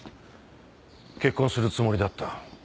結婚するつもりだった。